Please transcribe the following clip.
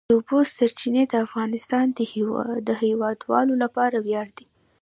د اوبو سرچینې د افغانستان د هیوادوالو لپاره ویاړ دی.